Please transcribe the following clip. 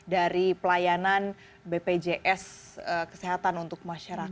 dari pelayanan bpjs kesehatan untuk masyarakat